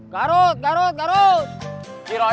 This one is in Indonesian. garut garut garut